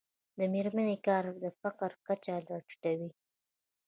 د میرمنو کار د فقر کچه راټیټوي.